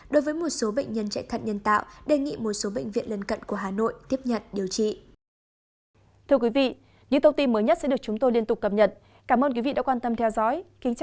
đối với một số bệnh nhân chạy thận nhân tạo đề nghị một số bệnh viện lân cận của hà nội tiếp nhận điều trị